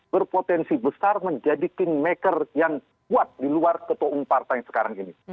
berpotensi besar menjadi kingmaker yang kuat di luar ketua umum partai sekarang ini